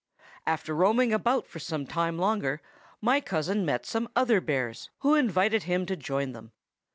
"After roaming about for some time longer, my cousin met some other bears, who invited him to join them.